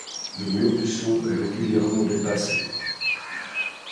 Le mur du son est régulièrement dépassé.